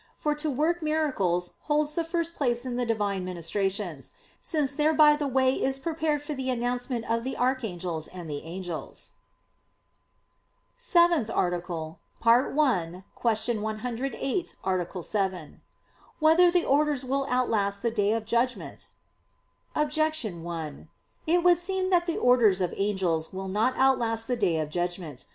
For to work miracles holds the first place in the Divine ministrations; since thereby the way is prepared for the announcements of the "Archangels" and the "Angels." _______________________ SEVENTH ARTICLE [I, Q. 108, Art. 7] Whether the Orders Will Outlast the Day of Judgment? Objection 1: It would seem that the orders of angels will not outlast the Day of Judgment.